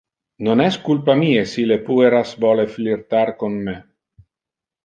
Non es culpa mie si le pueras vole flirtar con me.